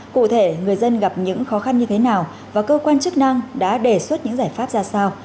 cụ thể người dân gặp những khó khăn như thế nào và cơ quan chức năng đã đề xuất những giải pháp ra sao